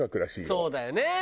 そうだよね。